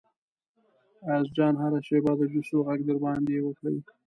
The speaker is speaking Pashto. ایاز جان هره شیبه د جوسو غږ در باندې وکړي.